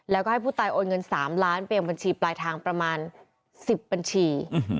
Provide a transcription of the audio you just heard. แล้วก็ให้ผู้ตายโอนเงิน๓ล้านไปยังบัญชีปลายทางประมาณ๑๐บัญชี